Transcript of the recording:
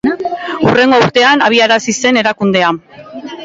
Hurrengo urtean abiarazi zen erakundea.